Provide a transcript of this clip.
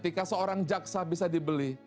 ketika seorang jaksa bisa dibeli